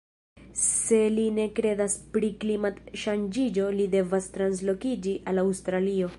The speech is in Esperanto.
Se li ne kredas pri klimat-ŝanĝiĝo li devas translokiĝi al Aŭstralio